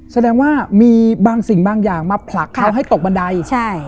แสดงว่ามีบางสิ่งบางอย่างมาผลักเขาให้ตกบันไดใช่